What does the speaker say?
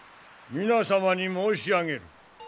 皆様に申し上げる。